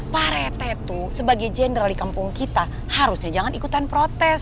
pak rt tuh sebagai general di kampung kita harusnya jangan ikutan protes